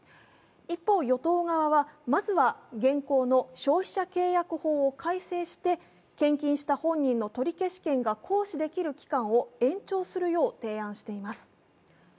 一方、与党側はまずは現行の消費者契約法を改正して献金した本人の取消権の行使の期間が延長するよう主張しています。